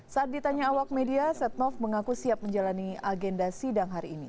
saat ditanya awak media setnoff mengaku siap menjalani agenda sidang hari ini